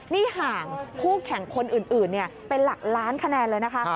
นี่ห่างคู่แข่งคนอื่นเป็นหลักล้านคะแนนเลยนะคะ